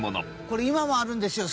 これ今もあるんですよ。